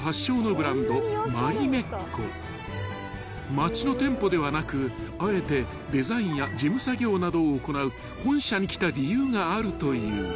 ［街の店舗ではなくあえてデザインや事務作業などを行う本社に来た理由があるという］